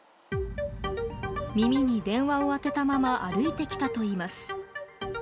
耳に電話を当てたまま歩いてきたといいます。